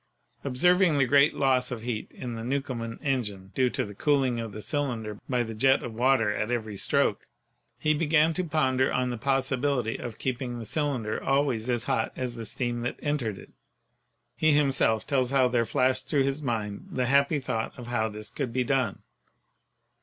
Observing the great loss of heat in the Newcomen engine, due to the cooling of the cylinder by the jet of water at every stroke, he began to ponder on the possibility of keeping the cylinder "always as hot as the steam that entered it." He himself tells how there flashed through his mind the happy thought of how this could be done.